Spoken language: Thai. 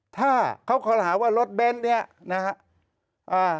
ถ้าเขาคอหาว่ารถเบ้นเนี่ยนะฮะอ่า